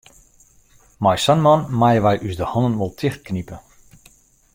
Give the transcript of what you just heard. Mei sa'n man meie wy ús de hannen wol tichtknipe.